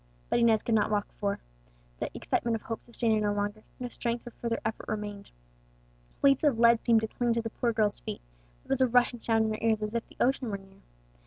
But Inez could not walk far. The excitement of hope sustained her no longer, no strength for further effort remained. Weights of lead seemed to cling to the poor girl's feet, there was a rushing sound in her ears as if the ocean were near.